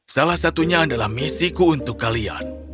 salah satunya adalah misiku untuk kalian